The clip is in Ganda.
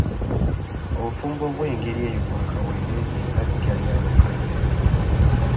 Obufumbo obw'engeri eyo bwa kaweereege nga ddya lya bukadde.